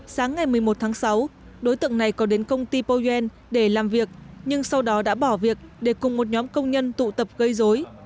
sáng ngày một mươi một tháng sáu đối tượng này có đến công ty poyen để làm việc nhưng sau đó đã bỏ việc để cùng một nhóm công nhân tụ tập gây dối